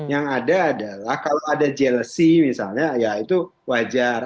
yang ada adalah kalau ada jealousy ya itu wajar